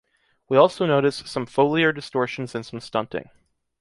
We also notice some foliar distortions and some stunting.